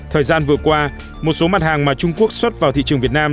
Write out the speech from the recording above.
thời gian vừa qua một số mặt hàng mà trung quốc xuất vào thị trường việt nam